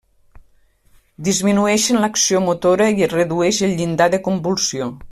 Disminueixen l'acció motora i es redueix el llindar de convulsió.